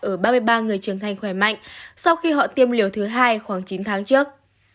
ở ba mươi ba người trưởng thành khỏe mạnh sau khi họ tiêm liều thứ hai khoảng chín tháng trước